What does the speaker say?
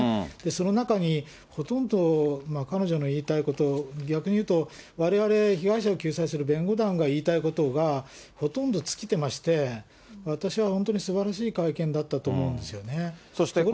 その中に、ほとんど彼女の言いたいこと、逆に言うと、われわれ被害者を救済する弁護団が言いたいことがほとんど尽きてまして、私は本当にすばらしい会見だったと思うんですよね。